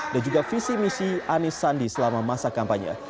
dan juga visi misi anies sandi selama masa kampanye